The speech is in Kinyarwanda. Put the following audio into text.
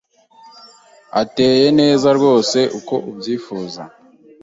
ateye neza rwose uko abyifuza